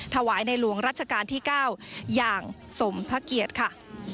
ถวายในหลวงรัชกาลที่๙อย่างสมพระเกียรติค่ะ